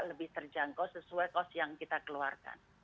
lebih terjangkau sesuai cost yang kita keluarkan